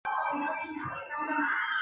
在场上司职门将。